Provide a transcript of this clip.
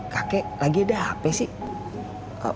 kakek lagi dapet sih